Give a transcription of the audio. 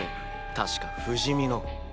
確か不死身の。